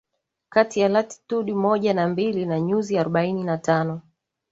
kati ya Latitude moja na mbili na nyuzi arobaini na tano